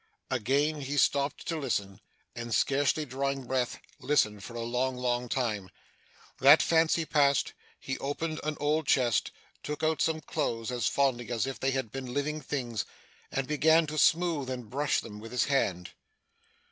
Again he stopped to listen, and scarcely drawing breath, listened for a long, long time. That fancy past, he opened an old chest, took out some clothes as fondly as if they had been living things, and began to smooth and brush them with his hand.